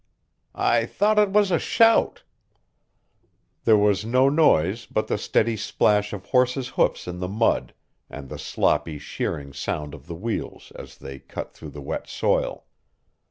"I thought it was a shout." There was no noise but the steady splash of horses' hoofs in the mud, and the sloppy, shearing sound of the wheels as they cut through the wet soil.